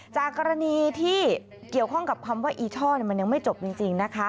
จากกรณีที่เกี่ยวข้องกับคำว่าอีช่อมันยังไม่จบจริงนะคะ